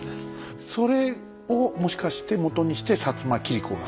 それをもしかして元にして摩切子が？